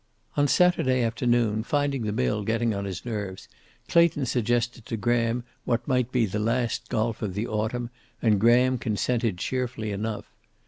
On Saturday afternoon, finding the mill getting on his nerves, Clayton suggested to Graham what might be the last golf of the autumn and Graham consented cheerfully enough.